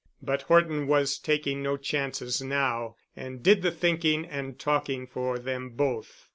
But Horton was taking no chances now and did the thinking and talking for them both.